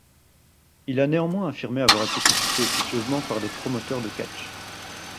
Il a néanmoins affirmé avoir été consulté officieusement par des promoteurs de catch.